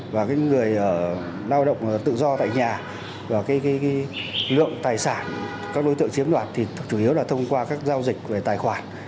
và người lao động tự do tại nhà và lượng tài sản các đối tượng chiếm đoạt thì chủ yếu là thông qua các giao dịch về tài khoản